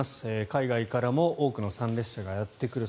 海外からも多くの参列者がやってくる。